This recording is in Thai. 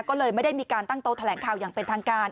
ก็เลยไม่ได้มีการตั้งโต๊ะแถลงข่าวอย่างเป็นทางการ